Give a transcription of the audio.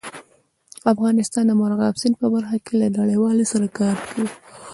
افغانستان د مورغاب سیند په برخه کې له نړیوالو سره کار کوي.